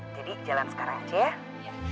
jadi jalan sekarang aja ya